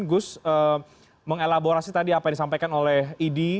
gus mengelaborasi tadi apa yang disampaikan oleh idi